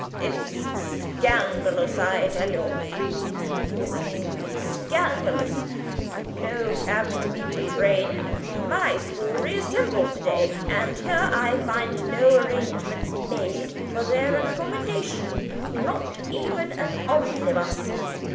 "It's scandalous, I tell you," he was saying: "scandalous! No cabs to meet the train. My school reassembles to day, and here I find no arrangements made for their accommodation! Not even an omnibus!